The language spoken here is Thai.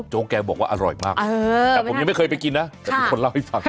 โจ๊กแกบอกว่าอร่อยมากแต่ผมยังไม่เคยไปกินนะ